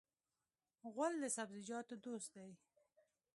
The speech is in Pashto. غول د سبزیجاتو دوست دی.